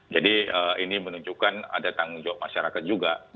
jadi ini menunjukkan ada tanggung jawab masyarakat juga